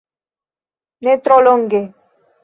Ne tro longe.